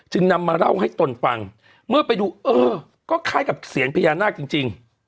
นำมาเล่าให้ตนฟังเมื่อไปดูเออก็คล้ายกับเสียงพญานาคจริง